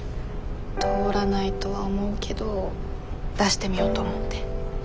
通らないとは思うけど出してみようと思って。